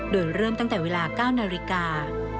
โดยเริ่มตั้งแต่เวลา๙นาฬิกา